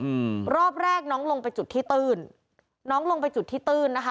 อืมรอบแรกน้องลงไปจุดที่ตื้นน้องลงไปจุดที่ตื้นนะคะ